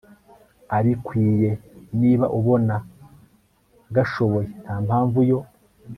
abikwiye niba ubona agashoboye ntampamvu yo